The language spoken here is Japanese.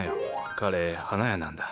彼花屋なんだ。